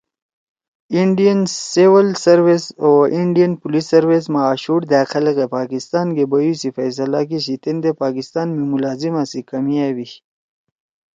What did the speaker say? انڈین سول سروس او انڈین پولیس سروس ما آشُوڑ دھأک خلَگے پاکستان گے بیُو سی فیصلہ کِیشی تیندے پاکیستان می ملازما سی کمی أبیِشی